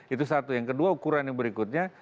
itu satu yang kedua ukuran yang berikutnya